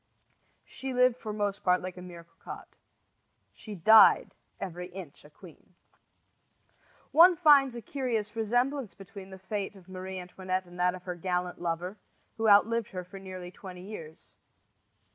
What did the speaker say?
She lived for most part like a mere cocotte. She died every inch a queen. One finds a curious resemblance between the fate of Marie Antoinette and that of her gallant lover, who outlived her for nearly twenty years.